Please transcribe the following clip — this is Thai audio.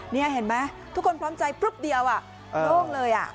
เนี้ยเห็นไหมทุกคนพร้อมใจปุ๊บเดียวอ่ะโน่งเลยอ่ะ